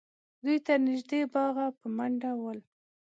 دوی تر نږدې باغه په منډه ول